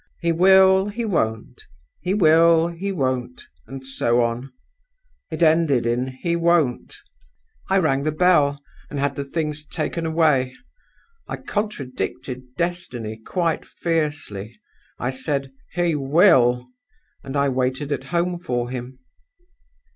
He will, he won't, he will, he won't and so on. It ended in 'He won't.' I rang the bell, and had the things taken away. I contradicted Destiny quite fiercely. I said, 'He will!' and I waited at home for him.